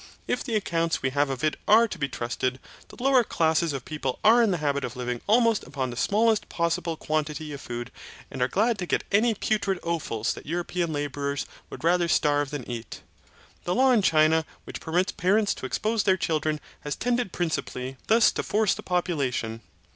If the accounts we have of it are to be trusted, the lower classes of people are in the habit of living almost upon the smallest possible quantity of food and are glad to get any putrid offals that European labourers would rather starve than eat. The law in China which permits parents to expose their children has tended principally thus to force the population.